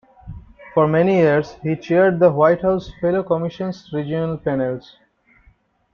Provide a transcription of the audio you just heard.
For many years he chaired the White House Fellow Commissions regional panels.